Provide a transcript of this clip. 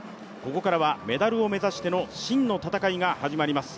ここからはメダルを目指して真の戦いが始まります。